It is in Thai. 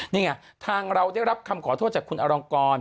นี่ไงทางเราได้รับคำขอโทษจากคุณอรองกร